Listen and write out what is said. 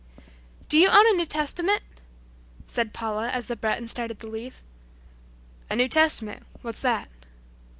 "Do you own a New Testament?" said Paula as the Breton started to leave. "A New Testament; what's that?"